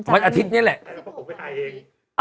วันอาทิตย์เนี่ยแหละ